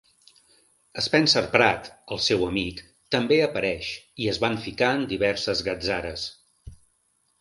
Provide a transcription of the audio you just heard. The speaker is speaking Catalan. Spencer Pratt, el seu amic, també apareix i es van ficar en diverses gatzares.